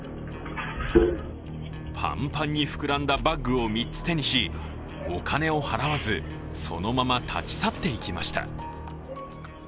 パンパンに膨らんだバッグを３つ、手にしお金を払わず、そのまま立ち去っていきました。